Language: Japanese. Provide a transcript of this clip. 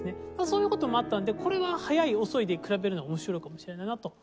そういう事もあったのでこれは速い遅いで比べるのは面白いかもしれないなと。